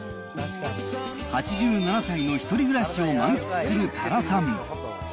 ８７歳のひとり暮らしを満喫する多良さん。